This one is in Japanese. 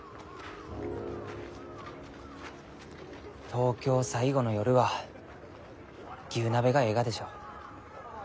東京最後の夜は牛鍋がえいがでしょう？